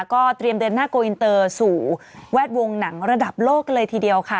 ก็เตรียมเดินหน้าโกอินเตอร์สู่แวดวงหนังระดับโลกกันเลยทีเดียวค่ะ